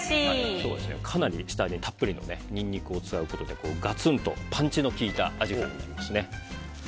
今日はかなり下味にたっぷりのニンニクを使うことでガツンとパンチの効いたアジフライになりますね。